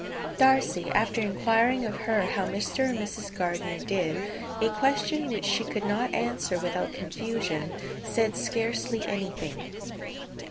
Darcy, after inquiring of her how Mr. and Mrs. Gardiner did a question which she could not answer without confusion said scarcely anything.